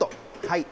はい。